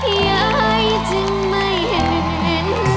ยายจึงไม่เห็น